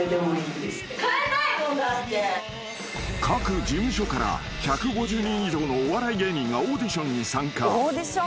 ［各事務所から１５０人以上のお笑い芸人がオーディションに参加］